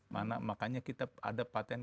makanya kita ada patent